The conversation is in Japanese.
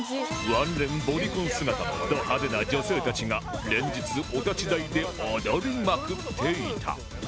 ワンレンボディコン姿のド派手な女性たちが連日お立ち台で踊りまくっていた